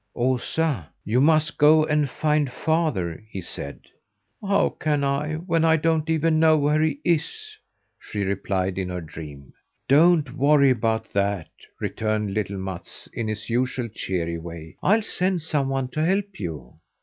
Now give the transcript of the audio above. "Osa, you must go and find father," he said. "How can I when I don't even know where he is?" she replied in her dream. "Don't worry about that," returned little Mats in his usual, cheery way. "I'll send some one to help you."